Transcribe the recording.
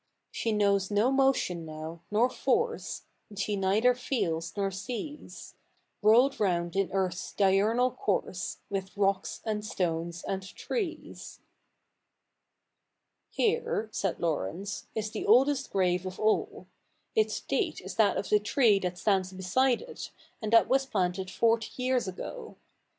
She knows no motion now, nor force, She neither feels nor sees, Rolled round in earth's diurnal course With rocks, and stones, and trees. CH. Ill] THE NEW REPUBEIC T05 ' Here,' said Laurence, 'is the oldest grave of all. Its date is that of the tree that stands beside it, and that was planted forty years ago.